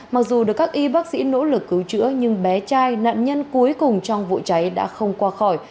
mặc dù được các y bác sĩ nỗ lực cứu chữa nhưng bé trai nạn nhân cuối cùng trong vụ cháy đã không qua khỏi